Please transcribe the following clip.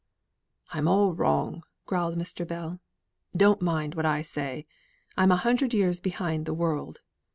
"I'm all wrong," growled Mr. Bell. "Don't mind what I say. I'm a hundred years behind the world.